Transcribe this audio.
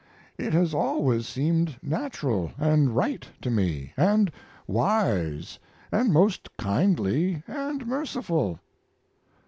It has always seemed natural and right to me, and wise and most kindly and merciful."